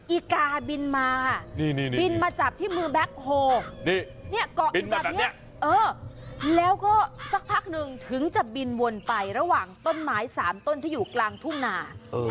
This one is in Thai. อีกาบินมาบินมาจับที่มือแบ็คโฮเกาะอยู่แบบนี้แล้วก็สักพักหนึ่งถึงจะบินวนไประหว่างต้นไม้๓ต้นที่อยู่กลางทุ่งนา